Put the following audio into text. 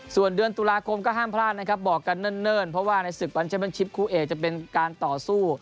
ส่วนเดือนตุลาคมก็ห้ามพลาดนะครับบอกกันเนิ่นเพราะว่าในศึกวันเชมเป็นชิปคู่เอกจะเป็นการต่อสู้